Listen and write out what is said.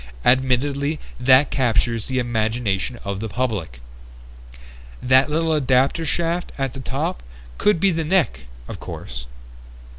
Admittedly that captures the imagination of the public. That little adapter shaft at the top could be the neck, of course...."